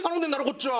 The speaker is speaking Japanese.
こっちは！